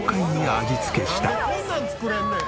なんでこんなん作れんねん。